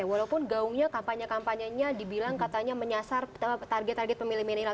walaupun gaungnya kampanye kampanye nya dibilang katanya menyasar target target pemilih milenial